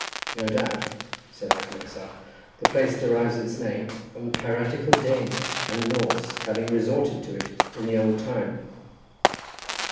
"No doubt," said I to myself, "the place derives its name from the piratical Danes and Norse having resorted to it in the old time."